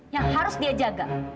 yang harus dia jaga